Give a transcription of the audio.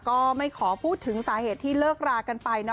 ก็ไม่ขอพูดถึงสาเหตุที่เลิกรากันไป